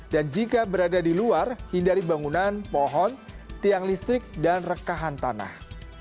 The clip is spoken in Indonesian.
dan jika berada di luar hindari bangunan pohon tiang listrik dan rekahan tanah